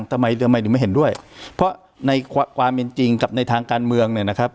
ทำไมทำไมหรือไม่เห็นด้วยเพราะในความจริงกับในทางการเมืองเนี้ยนะครับ